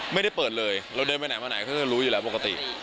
ไม่ได้เปิดเลยเราเดินไปไหนมาไหนเขาจะรู้อยู่แล้วปกติ